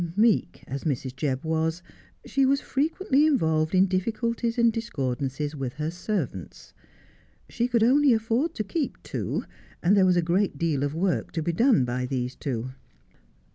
Meek as Mrs. Jebb was, she was frequently involved in diffi culties and discordances with her servants. She could only afford to keep two, and there was a great deal of work to bo done by these two.